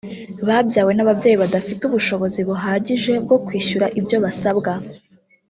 babyawe n’ababyeyi badafite ubushobozi buhagije bwo kwishyura ibyo basabwa